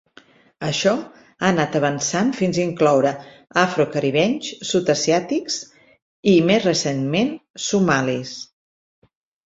Això ha anat avançant fins incloure afro-caribenys, sud-asiàtics i, més recentment, somalis.